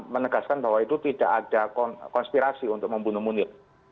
menegaskan bahwa itu tidak ada konspirasi untuk membunuh munir